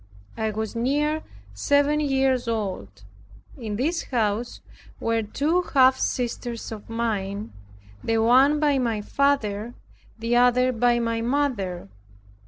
I was near seven years old. In this house were two half sisters of mine, the one by my father, the other by my mother.